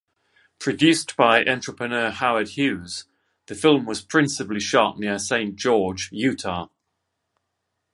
Produced by entrepreneur Howard Hughes, the film was principally shot near Saint George, Utah.